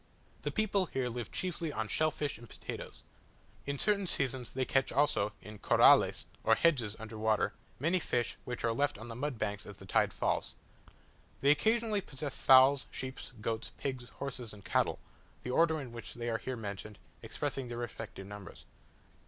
The people here live chiefly on shell fish and potatoes. At certain seasons they catch also, in "corrales," or hedges under water, many fish which are left on the mud banks as the tide falls. They occasionally possess fowls, sheep, goats, pigs, horses, and cattle; the order in which they are here mentioned, expressing their respective numbers.